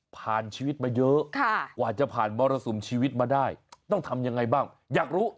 ผ่านชีวิตมาเยอะกว่าจะผ่านมรสุมชีวิตมาได้ต้องทำยังไงบ้างอยากรู้